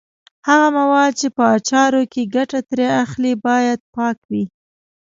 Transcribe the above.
هغه مواد چې په اچارو کې ګټه ترې اخلي باید پاک وي.